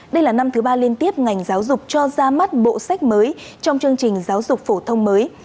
đây là năm thứ ba liên tiếp ngành giáo dục cho ra mắt bộ sách mới trong chương trình giáo dục phổ thông mới